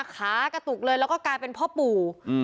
ขากระตุกเลยแล้วก็กลายเป็นพ่อปู่